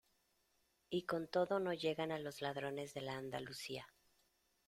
y con todo no llegan a los ladrones de la Andalucía.